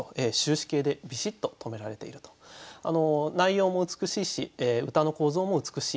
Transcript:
内容も美しいし歌の構造も美しい端正な一首です。